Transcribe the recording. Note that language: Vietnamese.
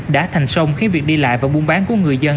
đã thành sông khiến việc đi lại và buôn bán của người dân